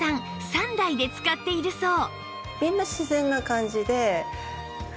３代で使っているそう